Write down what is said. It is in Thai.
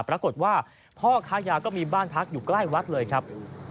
ปรากฏว่าพ่อค้ายาก็มีบ้านพักอยู่ใกล้วัดเลยครับ